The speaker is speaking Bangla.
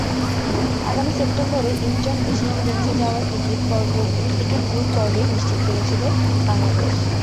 আগামী সেপ্টেম্বরে ইনচন এশিয়ান গেমসে যাওয়ার টিকিট গ্রুপ পর্বেই নিশ্চিত করেছিল বাংলাদেশ।